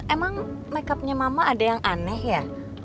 emang makeupnya mama ada yang aneh ya